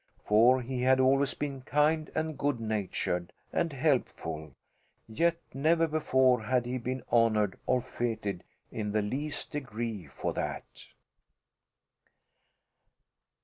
For he had always been kind and good natured and helpful, yet never before had he been honoured or fêted in the least degree for that.